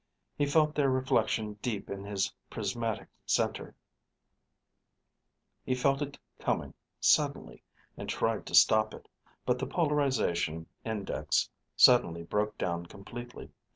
He felt their reflection deep in his prismatic center. He felt it coming, suddenly, and tried to stop it. But the polarization index suddenly broke down completely.